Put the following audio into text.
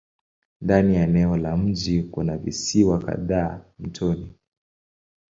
Ndani ya eneo la mji kuna visiwa kadhaa mtoni.